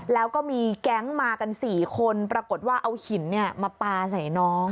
แล้วก็มีแก๊งมากัน๔คนปรากฏว่าเอาหินมาปลาใส่น้อง